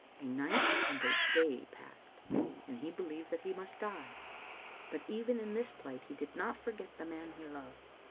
A night and day passed, and he believed that he must die ; but even in this plight he did not forget the man he loved.